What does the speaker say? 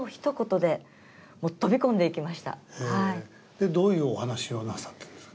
でどういうお話をなさったんですか？